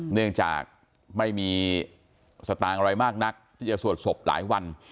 เนื่องจากไม่มีสตางค์อะไรมากนักที่จะสวดศพหลายวัน